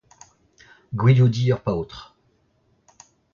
Gwilioudiñ ur paotr.